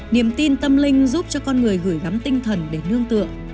niềm tin tâm linh giúp cho con người gửi gắm tinh thần để nương tượng